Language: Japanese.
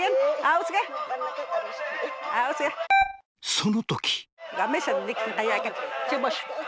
その時！